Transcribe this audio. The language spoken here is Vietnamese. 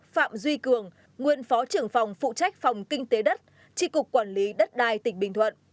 sáu phạm duy cường nguyên phó trưởng phòng phụ trách phòng kinh tế đất tri cục quản lý đất đai tỉnh bình thuận